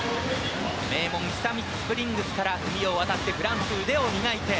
名門、久光製薬スプリングスから海を渡ってフランスで腕を磨いて。